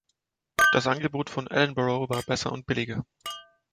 Das Angebot von Edinburgh war besser und billiger.